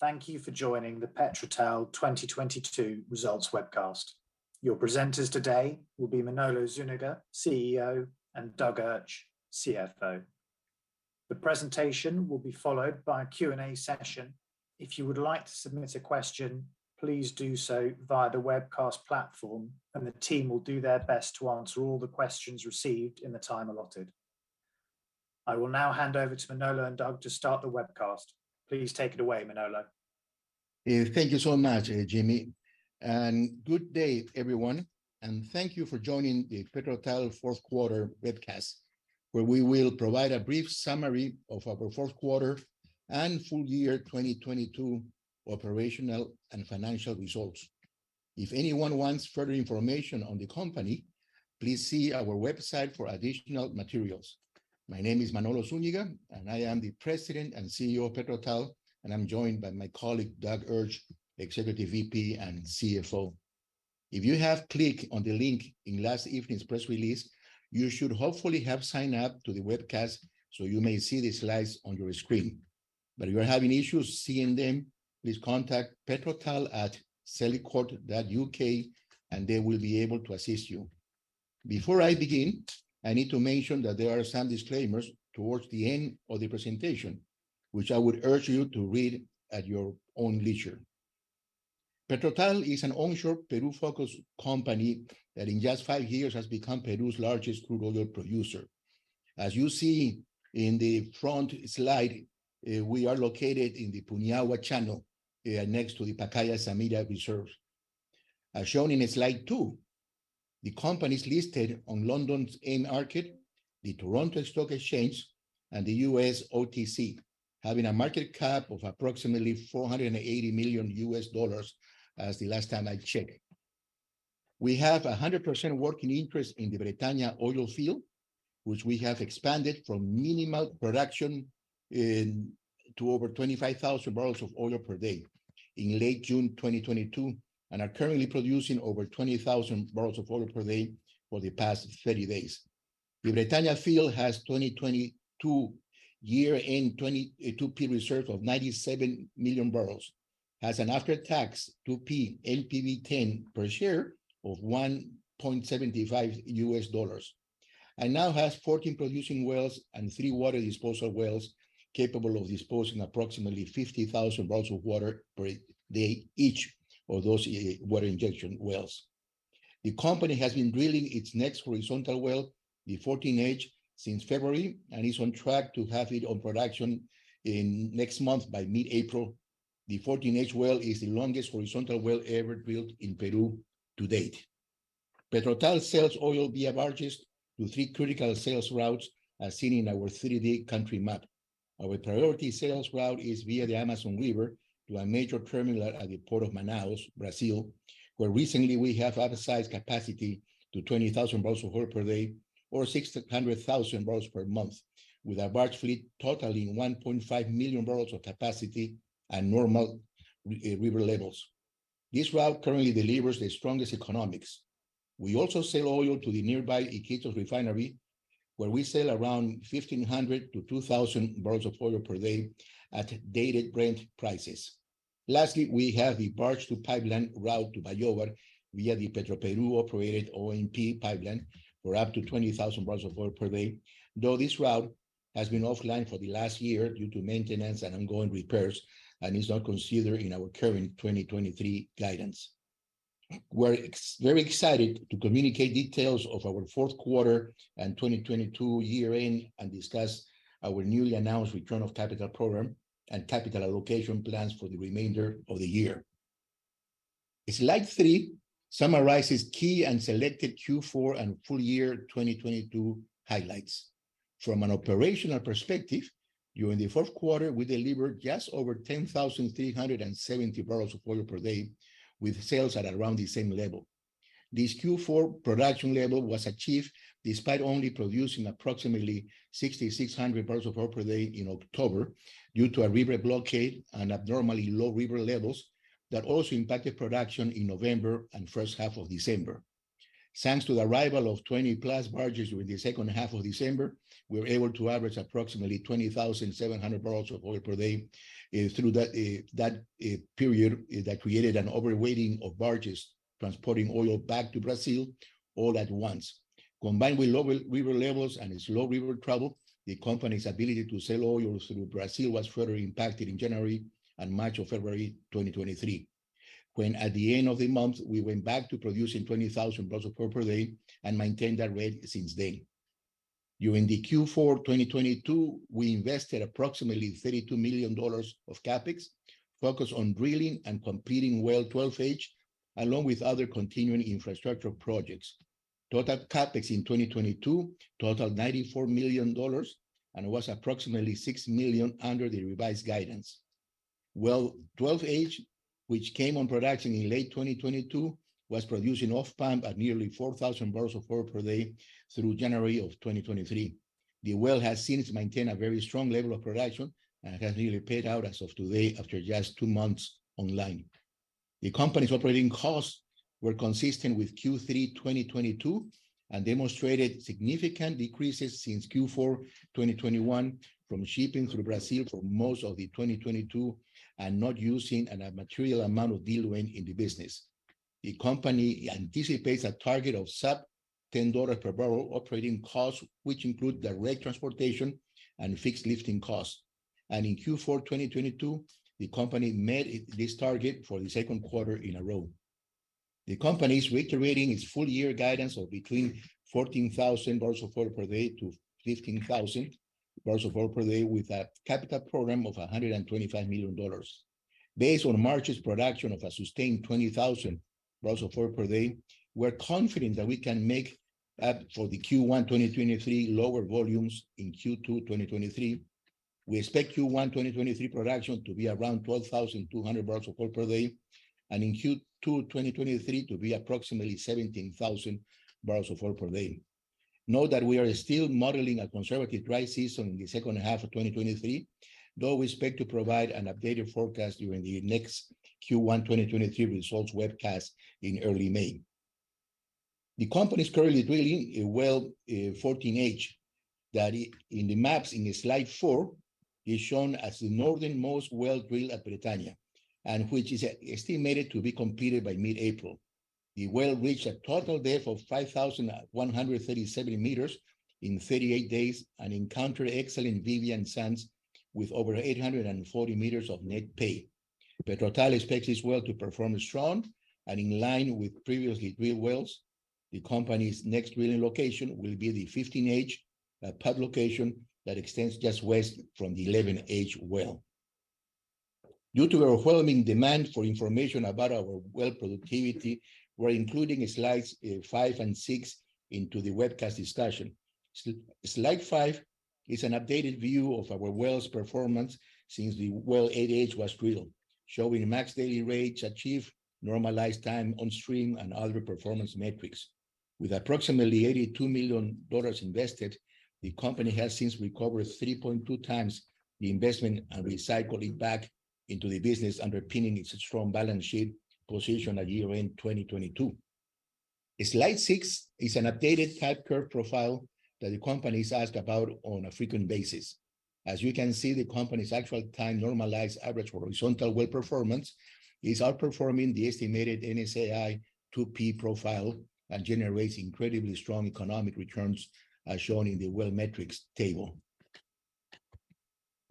Thank you for joining the PetroTal 2022 results webcast. Your presenters today will be Manolo Zúñiga, CEO, and Douglas Urch, CFO. The presentation will be followed by a Q&A session. If you would like to submit a question, please do so via the webcast platform, and the team will do their best to answer all the questions received in the time allotted. I will now hand over to Manolo and Douglas to start the webcast. Please take it away, Manolo. Thank you so much, Jimmy. Good day everyone, and thank you for joining the PetroTal 4th quarter webcast, where we will provide a brief summary of our 4th quarter and full year 2022 operational and financial results. If anyone wants further information on the company, please see our website for additional materials. My name is Manolo Zúñiga, and I am the President and CEO of PetroTal. I'm joined by my colleague, Douglas Urch, Executive VP and CFO. If you have clicked on the link in last evening's press release, you should hopefully have signed up to the webcast, so you may see the slides on your screen. If you're having issues seeing them, please contact petrotal@celicourt.uk and they will be able to assist you. Before I begin, I need to mention that there are some disclaimers towards the end of the presentation, which I would urge you to read at your own leisure. PetroTal is an onshore Peru-focused company that in just five years has become Peru's largest crude oil producer. As you see in the front slide, we are located in the Puinahua Channel, next to the Pacaya-Samiria reserves. As shown in slide two, the company's listed on London's AIM market, the Toronto Stock Exchange, and the US OTC, having a market cap of approximately $480 million as the last time I checked. We have a 100% working interest in the Bretana oil field, which we have expanded from minimal production to over 25,000 barrels of oil per day in late June 2022, and are currently producing over 20,000 barrels of oil per day for the past 30 days. The Bretana field has 2022 year-end 2P reserves of 97 million barrels, has an after-tax 2P NPV10 per share of $1.75, now has 14 producing wells and three water disposal wells capable of disposing approximately 50,000 barrels of water per day each of those water injection wells. The company has been drilling its next horizontal well, the 14H, since February and is on track to have it on production in next month by mid-April. The 14H well is the longest horizontal well ever drilled in Peru to date. PetroTal sells oil via barges to 3 critical sales routes, as seen in our 3D country map. Our priority sales route is via the Amazon River to a major terminal at the Port of Manaus, Brazil, where recently we have upsized capacity to 20,000 barrels of oil per day or 600,000 barrels per month, with our barge fleet totaling 1.5 million barrels of capacity at normal river levels. This route currently delivers the strongest economics. We also sell oil to the nearby Iquitos refinery, where we sell around 1,500-2,000 barrels of oil per day at dated Brent prices. Lastly, we have the barge to pipeline route to Bayóvar via the Petroperú-operated ONP pipeline for up to 20,000 barrels of oil per day, though this route has been offline for the last year due to maintenance and ongoing repairs and is not considered in our current 2023 guidance. We're very excited to communicate details of our fourth quarter and 2022 year-end, and discuss our newly announced return of capital program and capital allocation plans for the remainder of the year. Slide 3 summarizes key and selected Q4 and full year 2022 highlights. From an operational perspective, during the fourth quarter, we delivered just over 10,370 barrels of oil per day with sales at around the same level. This Q4 production level was achieved despite only producing approximately 6,600 barrels of oil per day in October due to a river blockade and abnormally low river levels that also impacted production in November and first half of December. Thanks to the arrival of 20+ barges during the second half of December, we were able to average approximately 20,700 barrels of oil per day through that period that created an overweighting of barges transporting oil back to Brazil all at once. Combined with low river levels and slow river travel, the company's ability to sell oil through Brazil was further impacted in January and much of February 2023, when at the end of the month, we went back to producing 20,000 barrels of oil per day and maintained that rate since then. During the Q4 2022, we invested approximately $32 million of CapEx focused on drilling and completing well 12H, along with other continuing infrastructure projects. Total CapEx in 2022 totaled $94 million, and it was approximately $6 million under the revised guidance. Well 12H, which came on production in late 2022, was producing off-time at nearly 4,000 barrels of oil per day through January of 2023. The well has since maintained a very strong level of production and has really paid out as of today after just two months online. The company's operating costs were consistent with Q3 2022 and demonstrated significant decreases since Q4 2021 from shipping through Brazil for most of the 2022, and not using a material amount of diluent in the business. The company anticipates a target of sub $10 per barrel operating costs, which include direct transportation and fixed lifting costs. In Q4 2022, the company made this target for the second quarter in a row. The company's reiterating its full year guidance of between 14,000 barrels of oil per day to 15,000 barrels of oil per day with a capital program of $125 million. Based on March's production of a sustained 20,000 barrels of oil per day, we're confident that we can make up for the Q1 2023 lower volumes in Q2 2023. We expect Q1 2023 production to be around 12,200 barrels of oil per day, and in Q2 2023 to be approximately 17,000 barrels of oil per day. Note that we are still modeling a conservative dry season in the second half of 2023, though we expect to provide an updated forecast during the next Q1 2023 results webcast in early May. The company's currently drilling a well, 14H, that in the maps in slide 4 is shown as the northernmost well drilled at Bretana, and which is estimated to be completed by mid-April. The well reached a total depth of 5,137 meters in 38 days and encountered excellent Vivian sands with over 840 meters of net pay. PetroTal expects this well to perform strong and in line with previously drilled wells. The company's next drilling location will be the 15H, a pad location that extends just west from the 11H well. Due to overwhelming demand for information about our well productivity, we're including slides, 5 and 6 into the webcast discussion. Slide 5 is an updated view of our well's performance since the well 8H was drilled, showing max daily rates achieved, normalized time on stream, and other performance metrics. With approximately $82 million invested, the company has since recovered 3.2 times the investment and recycled it back into the business, underpinning its strong balance sheet position at year-end 2022. Slide 6 is an updated type curve profile that the company's asked about on a frequent basis. As you can see, the company's actual time normalized average horizontal well performance is outperforming the estimated NSAI2P profile and generates incredibly strong economic returns, as shown in the well metrics table.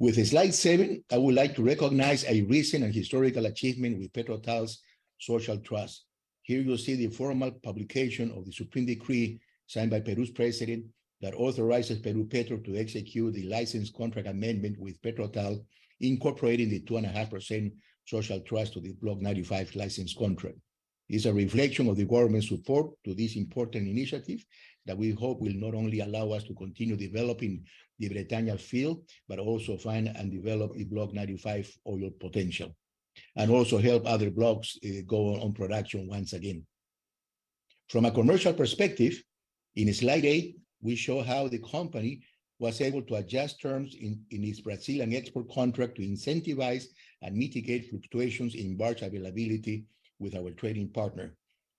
With slide 7, I would like to recognize a recent and historical achievement with PetroTal's social trust. Here you will see the formal publication of the supreme decree signed by Peru's president that authorizes Perupetro to execute the license contract amendment with PetroTal, incorporating the 2 and a half % social trust to the Block 95 license contract. It's a reflection of the government's support to this important initiative that we hope will not only allow us to continue developing the Bretana field, but also find and develop the Block 95 oil potential, and also help other blocks go on production once again. From a commercial perspective, in slide 8, we show how the company was able to adjust terms in its Brazilian export contract to incentivize and mitigate fluctuations in barge availability with our trading partner.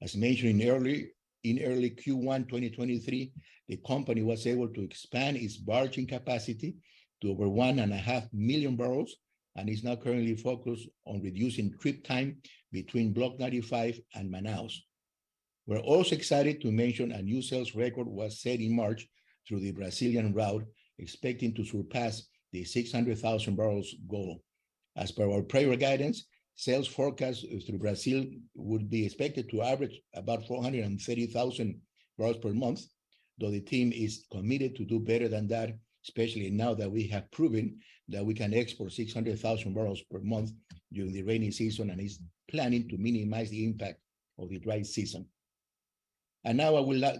As mentioned in early Q1 2023, the company was able to expand its barging capacity to over 1.5 million barrels, and is now currently focused on reducing trip time between Block 95 and Manaus. We're also excited to mention a new sales record was set in March through the Brazilian route, expecting to surpass the 600,000 barrels goal. As per our prior guidance, sales forecast through Brazil would be expected to average about 430,000 barrels per month, though the team is committed to do better than that, especially now that we have proven that we can export 600,000 barrels per month during the rainy season, and is planning to minimize the impact of the dry season. Now I will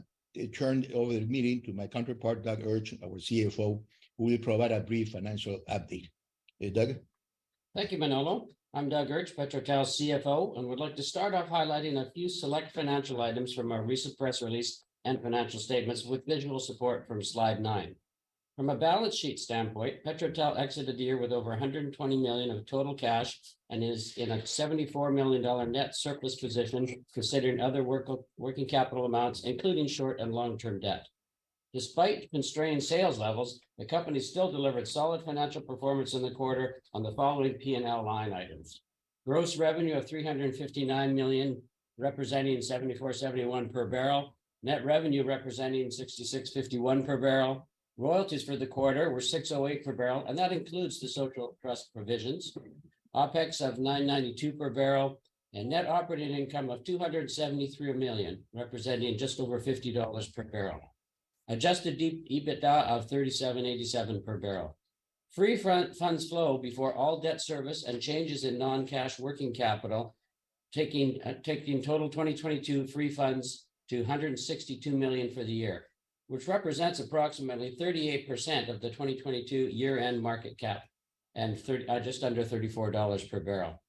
turn over the meeting to my counterpart, Douglas Urch, our CFO, who will provide a brief financial update. Douglas? Thank you, Manolo. I'm Douglas Urch, PetroTal's CFO, and would like to start off highlighting a few select financial items from our recent press release and financial statements with visual support from slide 9. From a balance sheet standpoint, PetroTal exited the year with over $120 million of total cash and is in a $74 million net surplus position considering other working capital amounts, including short and long-term debt. Despite constrained sales levels, the company still delivered solid financial performance in the quarter on the following P&L line items: gross revenue of $359 million, representing $74.71 per barrel, net revenue representing $66.51 per barrel, royalties for the quarter were $6.08 per barrel, and that includes the social trust provisions. OPEX of $9.92 per barrel and net operating income of $273 million, representing just over $50 per barrel. Adjusted EBITDA of $37.87 per barrel. Free funds flow before all debt service and changes in non-cash working capital, taking total 2022 free funds to $162 million for the year, which represents approximately 38% of the 2022 year-end market cap, and just under $34 per barrel.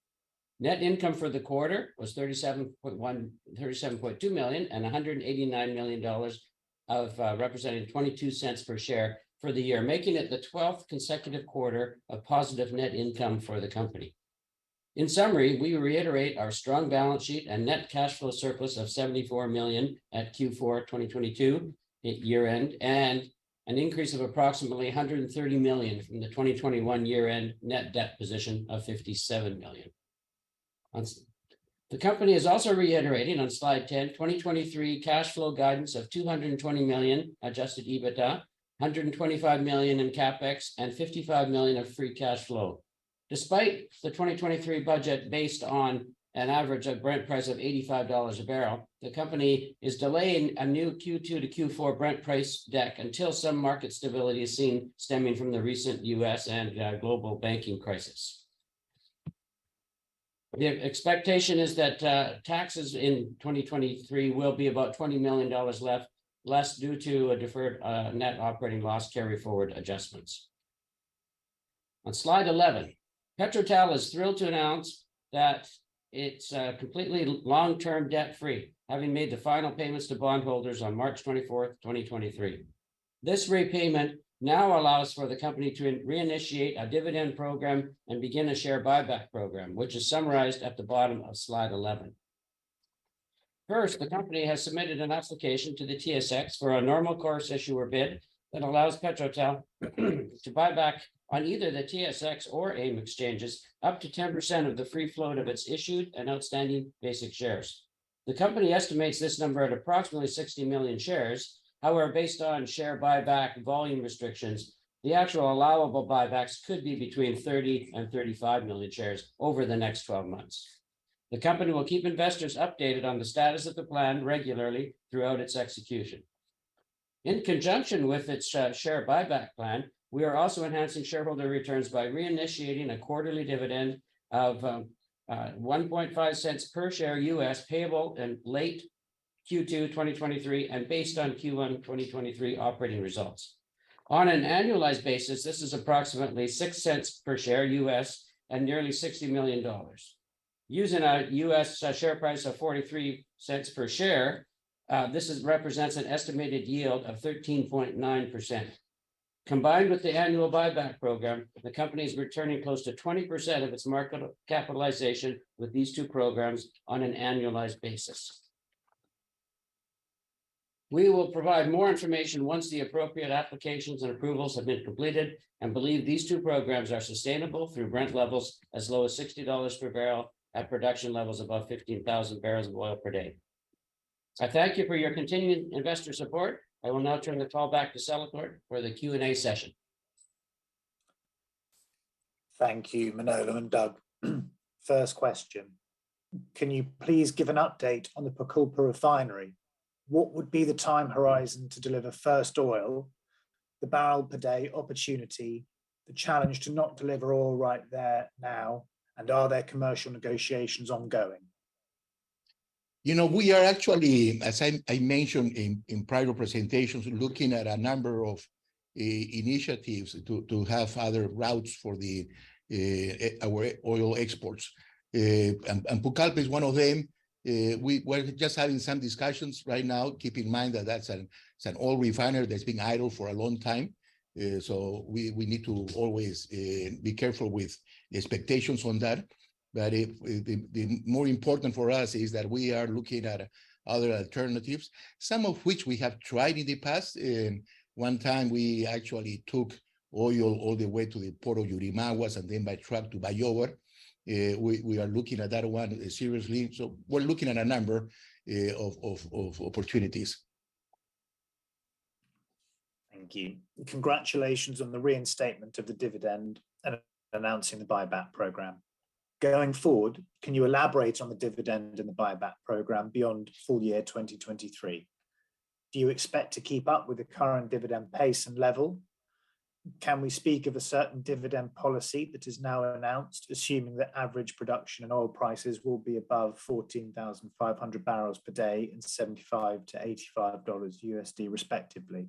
Net income for the quarter was $37.2 million and $189 million, representing $0.22 per share for the year, making it the 12th consecutive quarter of positive net income for the company. In summary, we reiterate our strong balance sheet and net cash flow surplus of $74 million at Q4 2022 at year-end, and an increase of approximately $130 million from the 2021 year-end net debt position of $57 million. The company is also reiterating on slide 10, 2023 cash flow guidance of $220 million adjusted EBITDA, $125 million in CapEx, and $55 million of free cash flow. Despite the 2023 budget based on an average of Brent price of $85 a barrel, the company is delaying a new Q2 to Q4 Brent price deck until some market stability is seen stemming from the recent U.S. and global banking crisis. The expectation is that taxes in 2023 will be about $20 million less due to a deferred net operating loss carryforward adjustments. On slide 11, PetroTal is thrilled to announce that it's completely long term debt-free, having made the final payments to bondholders on March 24th, 2023. This repayment now allows for the company to reinitiate a dividend program and begin a share buyback program, which is summarized at the bottom of slide 11. First, the company has submitted an application to the TSX for a Normal Course Issuer Bid that allows PetroTal to buy back on either the TSX or AIM exchanges up to 10% of the free float of its issued and outstanding basic shares. The company estimates this number at approximately 60 million shares. However, based on share buyback volume restrictions, the actual allowable buybacks could be between 30 million and 35 million shares over the next 12 months. The company will keep investors updated on the status of the plan regularly throughout its execution. In conjunction with its share buyback plan, we are also enhancing shareholder returns by reinitiating a quarterly dividend of $0.015 per share US payable in late Q2 2023 and based on Q1 2023 operating results. On an annualized basis, this is approximately $0.06 per share US and nearly $60 million. Using a US share price of $0.43 per share, this represents an estimated yield of 13.9%. Combined with the annual buyback program, the company is returning close to 20% of its market capitalization with these two programs on an annualized basis. We will provide more information once the appropriate applications and approvals have been completed and believe these two programs are sustainable through Brent levels as low as $60 per barrel at production levels above 15,000 barrels of oil per day. I thank you for your continued investor support. I will now turn the call back to Celicourt for the Q&A session. Thank you, Manolo and Douglas. First question, can you please give an update on the Pucallpa refinery? What would be the time horizon to deliver first oil, the barrel per day opportunity, the challenge to not deliver all right there now, and are there commercial negotiations ongoing? You know, we are actually, as I mentioned in prior presentations, looking at a number of initiatives to have other routes for the our oil exports. Pucallpa is one of them. We're just having some discussions right now. Keep in mind that that's an oil refinery that's been idle for a long time, so we need to always be careful with expectations on that. The more important for us is that we are looking at other alternatives, some of which we have tried in the past. One time we actually took oil all the way to the Port of Yurimaguas and then by truck to Bayóvar. We are looking at that one seriously. We're looking at a number of opportunities. Thank you. Congratulations on the reinstatement of the dividend and announcing the buyback program. Going forward, can you elaborate on the dividend and the buyback program beyond full year 2023? Do you expect to keep up with the current dividend pace and level? Can we speak of a certain dividend policy that is now announced, assuming that average production and oil prices will be above 14,500 barrels per day and $75-$85 USD respectively?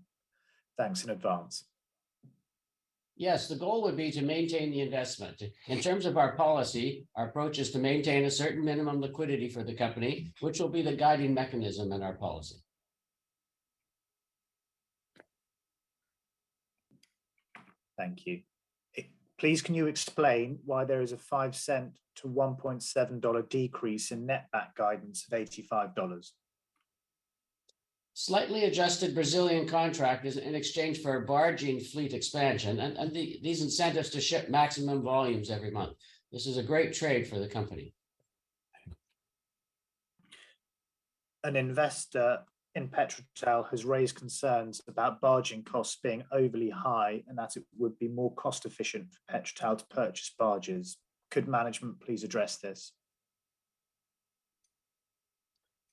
Thanks in advance. Yes. The goal would be to maintain the investment. In terms of our policy, our approach is to maintain a certain minimum liquidity for the company, which will be the guiding mechanism in our policy. Thank you. Please can you explain why there is a $0.05-$1.7 decrease in netback guidance of $85? Slightly adjusted Brazilian contract is in exchange for a barging fleet expansion and these incentives to ship maximum volumes every month. This is a great trade for the company. An investor in PetroTal has raised concerns about barging costs being overly high, and that it would be more cost efficient for PetroTal to purchase barges. Could management please address this?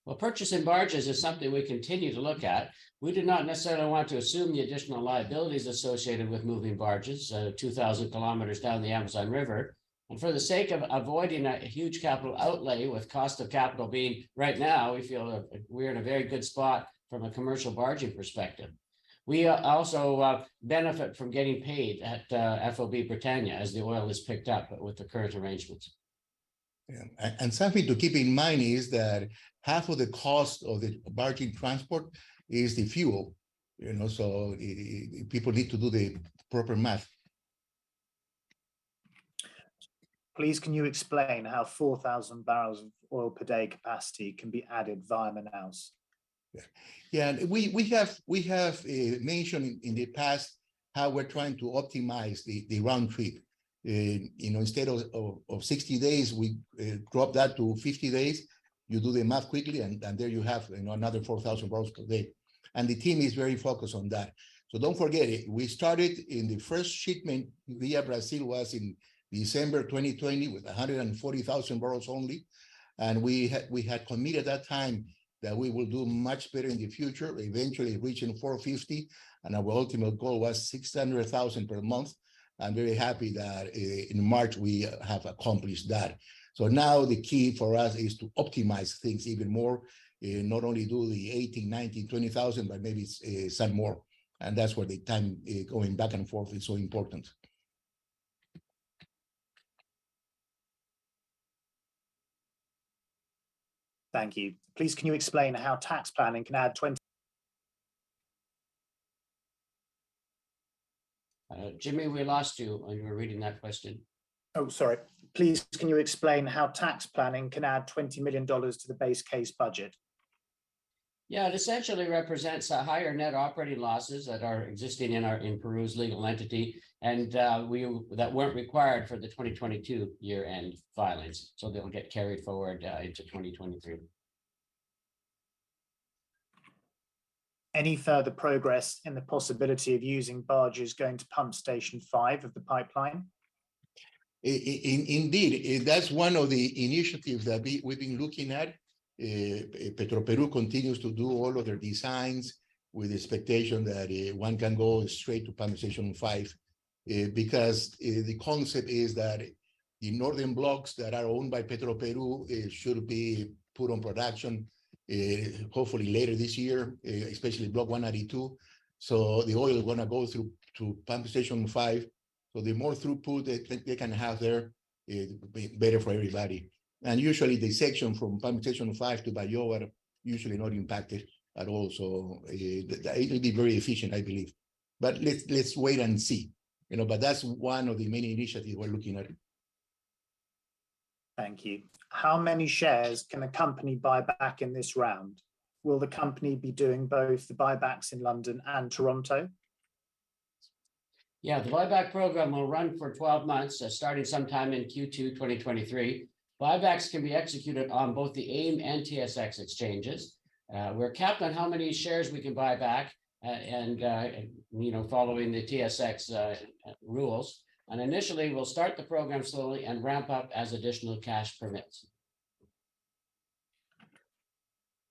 Well, purchasing barges is something we continue to look at. We do not necessarily want to assume the additional liabilities associated with moving barges, 2,000 km down the Amazon River. For the sake of avoiding a huge capital outlay with cost of capital being right now, we feel we're in a very good spot from a commercial barging perspective. We also benefit from getting paid at FOB Bretana as the oil is picked up with the current arrangements. Something to keep in mind is that half of the cost of the barging transport is the fuel, you know, so people need to do the proper math. Please can you explain how 4,000 barrels of oil per day capacity can be added via Manaus? Yeah. We have mentioned in the past how we're trying to optimize the round trip. You know, instead of 60 days, we drop that to 50 days. You do the math quickly, and there you have, you know, another 4,000 barrels per day. The team is very focused on that. Don't forget it. The first shipment via Brazil was in December 2020 with 140,000 barrels only, and we had committed that time that we will do much better in the future, eventually reaching 450, and our ultimate goal was 600,000 per month. I'm very happy that in March we have accomplished that. Now the key for us is to optimize things even more, not only do the 18,000, 19,000, 20,000, but maybe some more. That's where the time, going back and forth is so important. Thank you. Please can you explain how tax planning can add twenty- Jimmy, we lost you when you were reading that question. Oh, sorry. Please can you explain how tax planning can add $20 million to the base case budget? Yeah. It essentially represents a higher net operating losses that are existing in our, in Peru's legal entity, and that weren't required for the 2022 year-end filings, so they'll get carried forward into 2023. Any further progress in the possibility of using barges going to Pump Station 5 of the pipeline? Indeed. That's one of the initiatives that we've been looking at. Petroperú continues to do all of their designs with the expectation that one can go straight to Pump Station 5, because the concept is that the northern blocks that are owned by Petroperú should be put on production hopefully later this year, especially Block 192. The oil is gonna go through to Pump Station 5, so the more throughput they can have there, it'll be better for everybody. Usually the section from Pump Station 5 to Ballena are usually not impacted at all, so it'll be very efficient, I believe. Let's wait and see, you know, but that's one of the many initiatives we're looking at. Thank you. How many shares can a company buy back in this round? Will the company be doing both the buybacks in London and Toronto? Yeah. The buyback program will run for 12 months, starting sometime in Q2 2023. Buybacks can be executed on both the AIM and TSX exchanges. We're capped on how many shares we can buy back and, you know, following the TSX rules. Initially, we'll start the program slowly and ramp up as additional cash permits.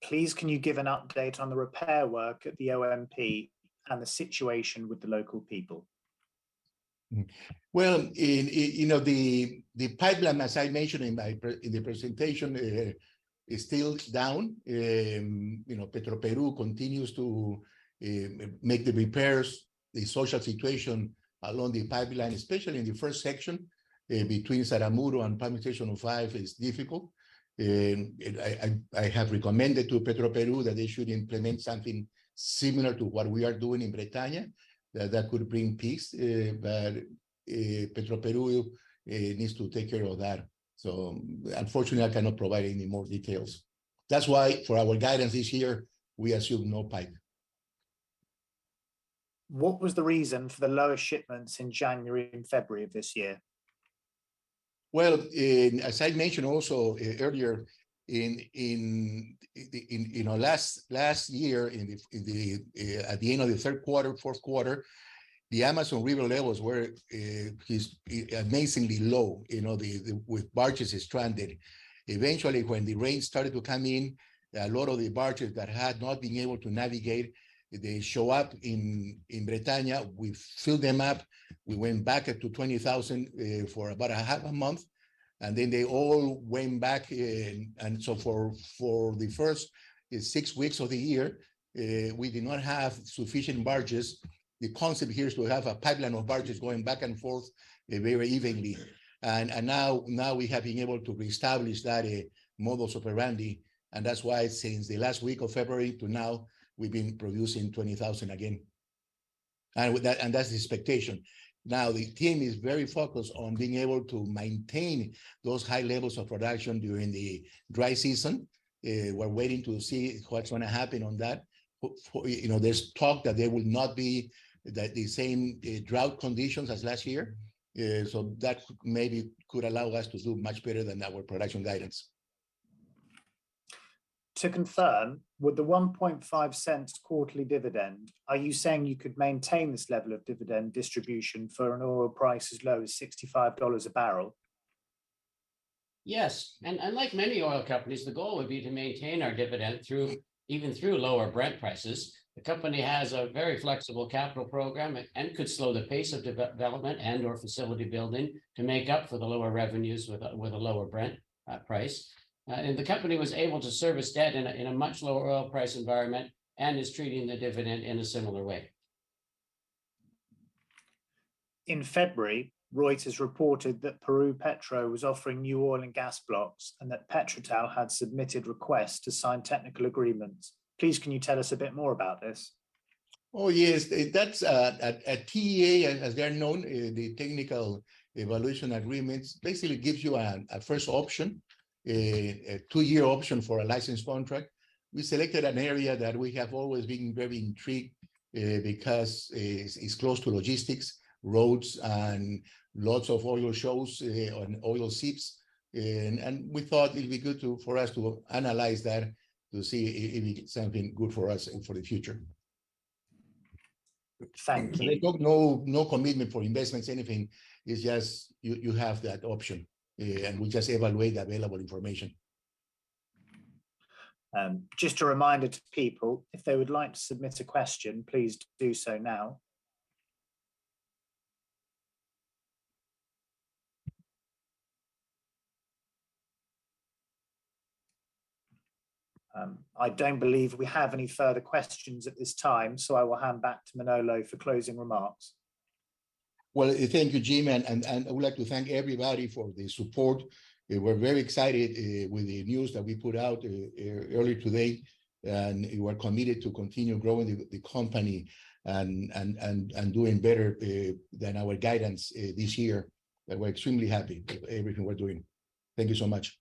Please can you give an update on the repair work at the ONP and the situation with the local people? Well, you know, the pipeline, as I mentioned in my in the presentation, is still down. You know, Petroperú continues to make the repairs. The social situation along the pipeline, especially in the first section, between Saramuro and Pump Station 5 is difficult. I have recommended to Petroperú that they should implement something similar to what we are doing in Bretania, that could bring peace. Petroperú needs to take care of that. Unfortunately, I cannot provide any more details. That's why for our guidance this year, we assume no pipe. What was the reason for the lower shipments in January and February of this year? Well, as I mentioned also, earlier, in you know, last year in the, at the end of the third quarter, fourth quarter, the Amazon River levels were just amazingly low. You know, the with barges stranded. Eventually, when the rain started to come in, a lot of the barges that had not been able to navigate, they show up in Britania. We filled them up. We went back up to 20,000 for about a half a month, and then they all went back. For the first 6 weeks of the year, we did not have sufficient barges. The concept here is to have a pipeline of barges going back and forth very evenly. Now we have been able to reestablish that modus operandi, and that's why since the last week of February to now, we've been producing 20,000 again. With that... and that's the expectation. Now, the team is very focused on being able to maintain those high levels of production during the dry season. We're waiting to see what's gonna happen on that. For, you know, there's talk that there will not be the same drought conditions as last year. That maybe could allow us to do much better than our production guidance. To confirm, with the $0.015 quarterly dividend, are you saying you could maintain this level of dividend distribution for an oil price as low as $65 a barrel? Yes. Like many oil companies, the goal would be to maintain our dividend through, even through lower Brent prices. The company has a very flexible capital program and could slow the pace of development and/or facility building to make up for the lower revenues with a lower Brent price. The company was able to service debt in a much lower oil price environment and is treating the dividend in a similar way. In February, Reuters reported that Perupetro was offering new oil and gas blocks, and that PetroTal had submitted requests to sign technical agreements. Please can you tell us a bit more about this? Oh, yes. That's a TEA, as they're known, the technical evaluation agreements, basically gives you a first option, a two-year option for a license contract. We selected an area that we have always been very intrigued, because it's close to logistics, roads, and lots of oil shows, on oil seeps. We thought it'd be good for us to analyze that to see if it's something good for us for the future. Thank you. Like, no commitment for investments, anything. It's just you have that option, and we just evaluate the available information. Just a reminder to people, if they would like to submit a question, please do so now. I don't believe we have any further questions at this time, so I will hand back to Manolo for closing remarks. Well, thank you, Jimmy. I would like to thank everybody for the support. We're very excited with the news that we put out earlier today. We're committed to continue growing the company and doing better than our guidance this year. We're extremely happy with everything we're doing. Thank you so much.